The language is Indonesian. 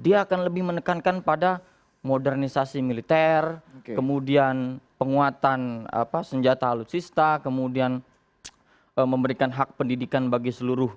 dia akan lebih menekankan pada modernisasi militer kemudian penguatan senjata alutsista kemudian memberikan hak pendidikan bagi seluruh